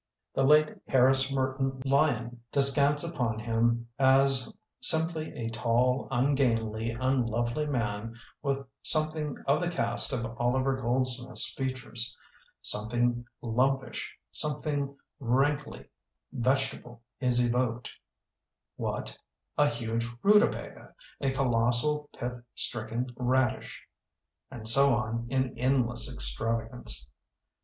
The late Harris Merton Lyon descants upon him as "simply a tall, ungainly, unlovely man with some thing of the cast of Oliver Goldsmith's features. Something lumpish, some thing rankly vegetable is evoked. What? A huge rutabaga; a colossal pith stricken radish". And so on in endless extravagance.